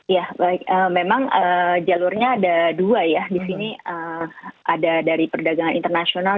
ya baik memang jalurnya ada dua ya di sini ada dari perdagangan internasional